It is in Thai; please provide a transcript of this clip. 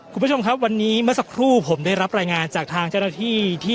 คุณผู้ชมครับวันนี้เมื่อสักครู่ผมได้รับรายงานจากทางเจ้าหน้าที่ที่